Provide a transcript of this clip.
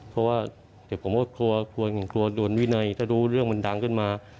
เพราะว่าเดี๋ยวผมก็กลัวกลัวอย่างกลัวโดนวินัยถ้าดูเรื่องมันดังขึ้นมา